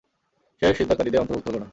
সে সিজদাকারীদের অন্তর্ভুক্ত হলো না।